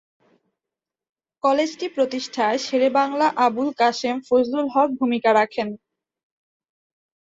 কলেজটি প্রতিষ্ঠায় শেরে বাংলা আবুল কাশেম ফজলুল হক ভূমিকা রাখেন।